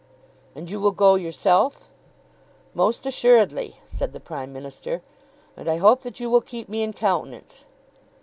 "And you will go yourself?" "Most assuredly," said the Prime Minister. "And I hope that you will keep me in countenance."